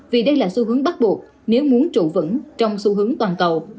vì đây là xu hướng bắt buộc nếu muốn trụ vững trong xu hướng toàn cầu